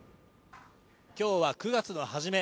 今日は９月の初め。